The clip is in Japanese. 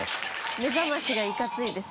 目覚ましがいかついですね。